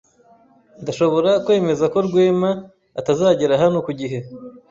Ndashobora kwemeza ko Rwema atazagera hano ku gihe.